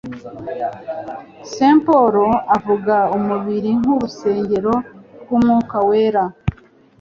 St Paul avuga umubiri nk "urusengero rwumwuka wera"